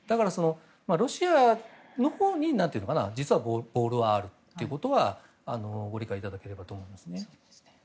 ロシアのほうに実はボールはあるということはご理解いただければと思います。